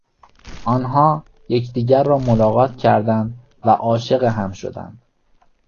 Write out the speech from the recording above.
آنها یکدیگر را ملاقات کردند و عاشق هم شدند.